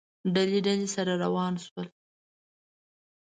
ډلې، ډلې، سره وران شول